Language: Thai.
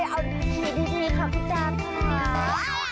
เอาขี้ดีขอบคุณจ้าค่ะ